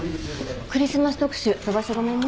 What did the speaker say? クリスマス特集飛ばしてごめんね。